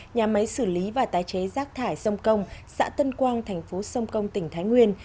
nhà máy xử lý và tái chế rác thải sông công xã tân quang thành phố sông công tỉnh thái nguyên